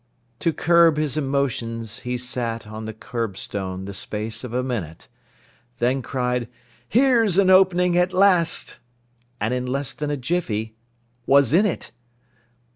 To curb his emotions, he sat On the curbstone the space of a minute, Then cried, "Here's an opening at last!" And in less than a jiffy was in it!